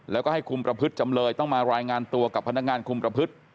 แล้วก็ให้คุมประพฤติจำเลยต้องมารายงานตัวกับพนักงานคุมประพฤติ